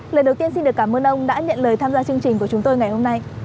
lời đầu tiên xin được cảm ơn ông đã nhận lời tham gia chương trình của chúng tôi ngày hôm nay